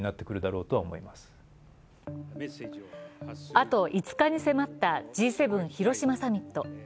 あと５日に迫ったＧ７広島サミット。